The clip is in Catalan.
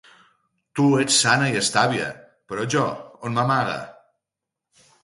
Tu ets sana i estàvia, però jo, on m'amague?